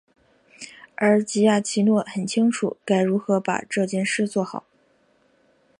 而吉亚奇诺很清楚该如何把这件事做好。